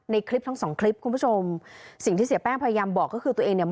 ในคลิปทั้งสองคลิปคุณผู้ชมสิ่งที่เสียแป้งพยายามบอกก็คือตัวเองเนี่ย